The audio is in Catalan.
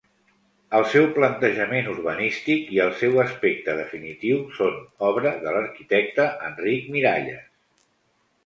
El seu plantejament urbanístic i el seu aspecte definitiu són obra de l'arquitecte Enric Miralles.